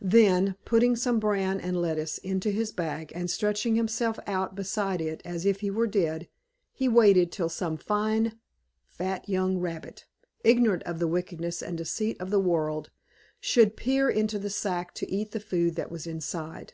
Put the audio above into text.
Then, putting some bran and lettuces into his bag, and stretching himself out beside it as if he were dead, he waited till some fine fat young rabbit, ignorant of the wickedness and deceit of the world, should peer into the sack to eat the food that was inside.